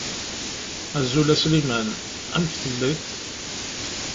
Azul a Sliman. Amek telliḍ?